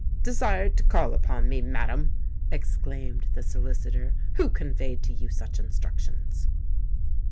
"Desired to call upon me, madam!" exclaimed the solicitor: "who conveyed to you such instructions?"